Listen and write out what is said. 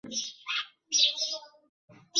যে যার নিজ আদর্শ অনুযায়ী তাঁহাকে দেখিয়া থাকে।